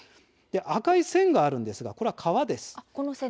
赤い線があるんですがこれは川です。